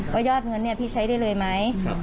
ว่ายอดเงินเนี่ยพี่ใช้ได้เลยไหม